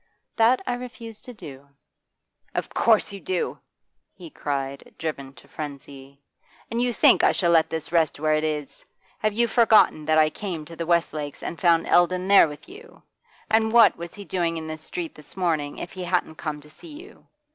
'That I refuse to do.' 'Of course you do!' he cried, driven to frenzy. 'And you think I shall let this rest where it is? Have you forgotten that I came to the Westlakes and found Eldon there with you? And what was he doing in this street this morning if he hadn't come to see you?